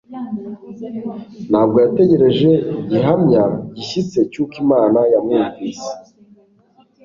Ntabwo yategereje igihamya gishyitse cyuko Imana yamwumvise